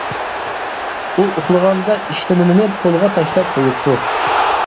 ئۇ ئۇخلىغاندا ئىشتىنىنى پولغا تاشلاپ قويۇپتۇ.